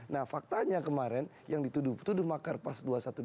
nah faktanya kemarin yang dituduh tuduh makar pas dua ratus dua belas